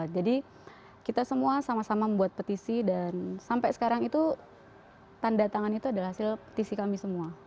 jadi kita semua sama sama membuat petisi dan sampai sekarang itu tanda tangan itu adalah hasil petisi kami semua